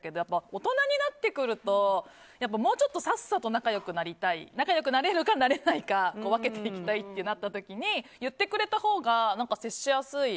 大人になってくるともうちょっとさっさと仲良くなりたい仲良くなれるか、なれないか分けていきたいとなった時に言ってくれたほうが接しやすい。